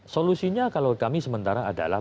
solusinya kalau kami sementara adalah